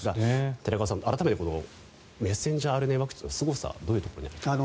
寺門さん、改めてこのメッセンジャーＲＮＡワクチンのすごさどういうところにあるんですか？